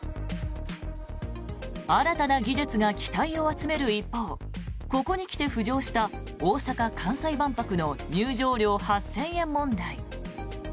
新たな技術が期待を集める一方ここに来て浮上した大阪・関西万博の入場料８０００円問題。